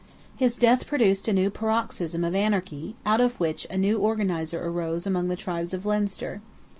His death produced a new paroxysm of anarchy, out of which a new organizer arose among the tribes of Leinster.